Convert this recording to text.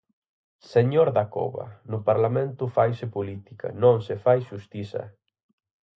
Señor Dacova, no Parlamento faise política, non se fai xustiza.